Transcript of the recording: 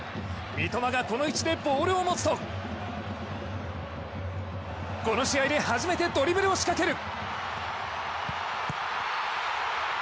三笘がこの位置でボールを持つと、この試合で初めてドリブルを仕掛ける。